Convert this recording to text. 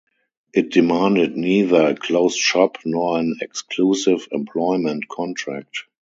It demanded neither a closed shop nor an exclusive employment contract.